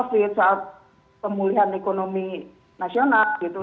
menyelesaikan persoalan covid saat pemulihan ekonomi nasional gitu